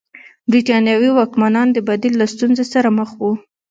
برېټانوي واکمنان د بدیل له ستونزې سره مخ وو.